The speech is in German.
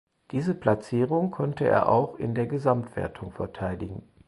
Diese Platzierung konnte er auch in der Gesamtwertung verteidigen.